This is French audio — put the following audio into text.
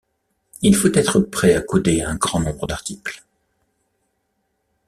Il faut être prêt à coder un grand nombre d'articles.